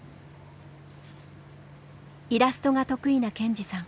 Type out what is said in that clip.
イラストが得意なケンジさん。